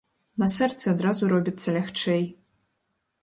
На сэрцы адразу робіцца лягчэй.